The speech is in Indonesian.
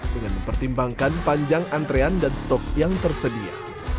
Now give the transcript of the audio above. dengan mempertimbangkan panjang antrean dan stok yang tersedia